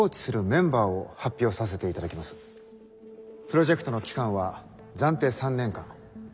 プロジェクトの期間は暫定３年間。